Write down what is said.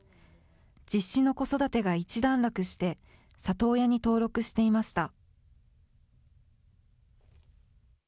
実子の子育てが一段落して、里親に登録していました。